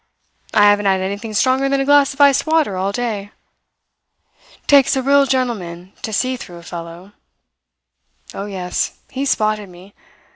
I haven't had anything stronger than a glass of iced water all day. Takes a real gentleman to see through a fellow. Oh, yes he spotted me.